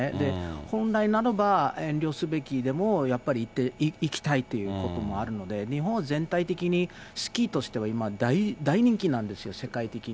本来ならば遠慮すべきでも、やっぱり行きたいということもあるので、日本は全体的にスキーとしては今、大人気なんですよ、世界的に。